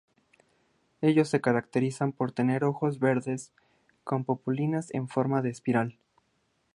Ellos se caracterizan por tener ojos verdes con pupilas en forma de espiral.